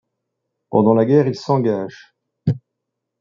Pendant la guerre, il s'engage.